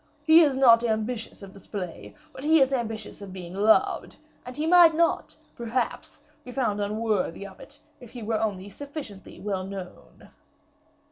He is not ambitious of display, but he is ambitious of being loved; and he might not, perhaps, be found unworthy of it, if he were only sufficiently well known."